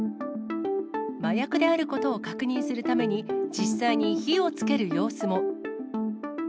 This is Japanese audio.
麻薬であることを確認するために、実際に火をつける様子も。